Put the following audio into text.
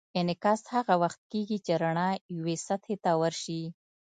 انعکاس هغه وخت کېږي چې رڼا یوې سطحې ته ورشي.